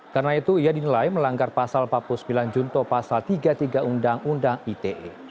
karena itu ia dinilai melanggar pasal empat puluh sembilan junto pasal tiga puluh tiga undang undang ite